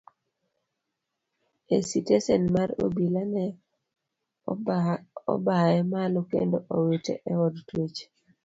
E sitesen mar obila ne obaye malo kendo owite e od twech.